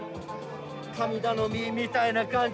神頼みみたいな感じ